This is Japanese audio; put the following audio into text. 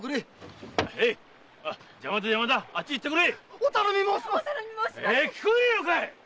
〔聞こえねえのかい！〕